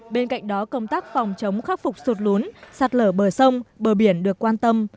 bên cạnh đó công tác phòng chống khắc phục sụt lún sạt lở bờ sông bờ biển được quan tâm